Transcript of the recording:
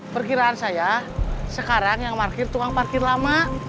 perkiraan saya sekarang yang parkir tukang parkir lama